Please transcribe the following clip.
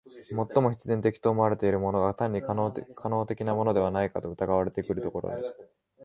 最も必然的と思われているものが単に可能的なものではないかと疑われてくるところに、